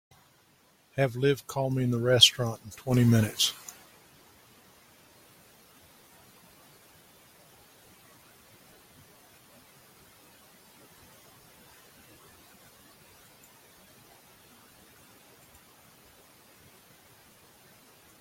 Have Liv call me in the restaurant in twenty minutes.